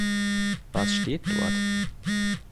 Was steht dort?